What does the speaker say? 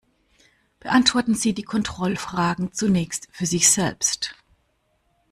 Beantworten Sie die Kontrollfragen zunächst für sich selbst.